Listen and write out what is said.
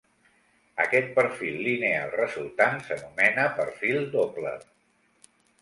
Aquest perfil lineal resultant s'anomena perfil Doppler.